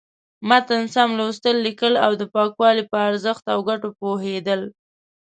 د متن سم لوستل، ليکل او د پاکوالي په ارزښت او گټو پوهېدل.